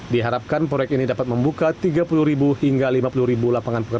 diharapkan proyek ini dapat membuka tiga puluh hingga lima puluh lapangan pekerjaan